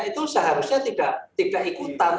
itu seharusnya tidak ikutan